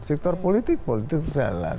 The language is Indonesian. sektor politik tetap jalan